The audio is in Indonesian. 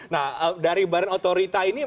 nah dari badan otorita ini